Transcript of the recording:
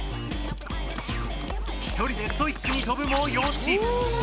一人でストイックに跳ぶもよし！